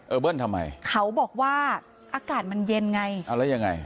เบิ้ลทำไมเขาบอกว่าอากาศมันเย็นไงเอาแล้วยังไง